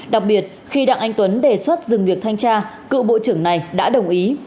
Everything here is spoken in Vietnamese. đặc biệt khi đặng anh tuấn đề xuất dừng việc thanh tra cựu bộ trưởng này đã đồng ý